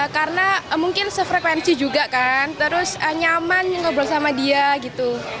karena mungkin sefrekuensi juga kan terus nyaman ngobrol sama dia gitu